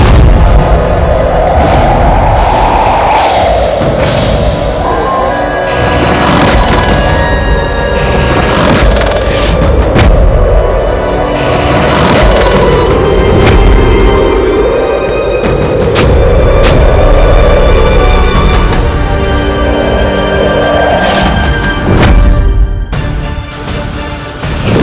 aku akan menemukanmu